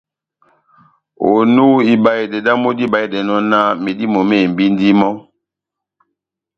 Onu, ibahedɛ dámu díbahedɛnɔ náh medímo mehembindini mɔ́,